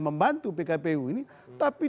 membantu pkpu ini tapi